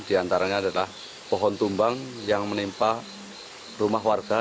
di antaranya adalah pohon tumbang yang menimpa rumah warga